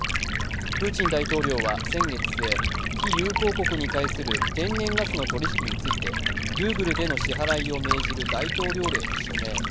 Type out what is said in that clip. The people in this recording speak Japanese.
プーチン大統領は先月末、非友好国に対する天然ガスの取り引きについて、ルーブルでの支払いを命じる大統領令に署名。